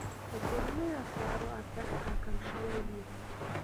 د کورنیو اسعارو ارزښت راکم شوی وي.